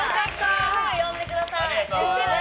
すぐ呼んでください！